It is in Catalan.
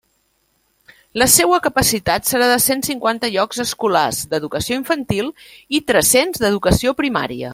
La seua capacitat serà de cent cinquanta llocs escolars d'Educació Infantil i tres-cents d'Educació Primària.